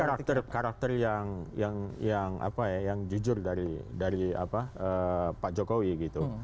saya kira ini karakter yang jujur dari pak jokowi gitu